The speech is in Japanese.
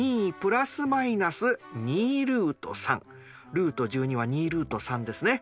ルート１２は２ルート３ですね。